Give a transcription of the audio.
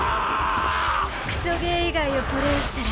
クソゲー以外をプレイしたら。